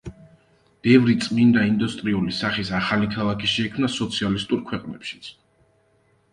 ბევრი წმინდა ინდუსტრიული სახის ახალი ქალაქი შეიქმნა სოციალისტურ ქვეყნებშიც.